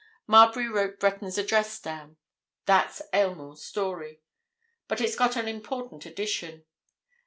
Marbury wrote Breton's address down. That's Aylmore's story. But it's got an important addition.